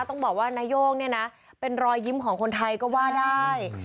ต้องบอกว่านาย่งเนี่ยนะเป็นรอยยิ้มของคนไทยก็ว่าได้